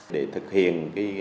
để thực hiện